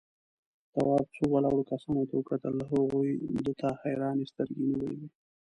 تواب څو ولاړو کسانو ته وکتل، هغوی ده ته حيرانې سترگې نيولې وې.